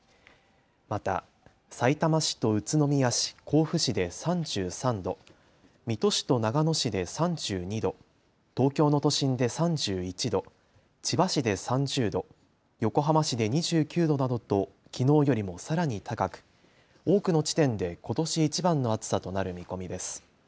また、さいたま市と宇都宮市、甲府市で３３度、水戸市と長野市で３２度、東京の都心で３１度、千葉市で３０度、横浜市で２９度などときのうよりもさらに高く多くの地点でことしいちばんの暑さとなる見込みです。